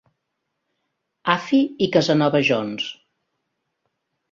Afi i Casanova Jones.